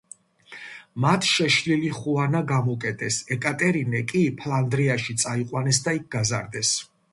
მათ შეშლილი ხუანა გამოკეტეს, ეკატერინე კი ფლანდრიაში წაიყვანეს და იქ გაზარდეს.